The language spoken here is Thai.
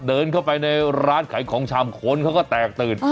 เดินเข้าไปในร้านขายของชำคนเขาก็แตกตื่น